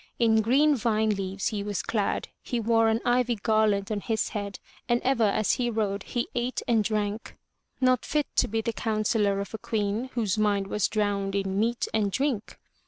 In green vine leaves he was clad; he wore an ivy garland on his head and ever as he rode he ate and drank — not fit to be the counsellor of a queen, whose mind was drowned in meat and drink.